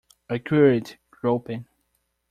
I queried, groping.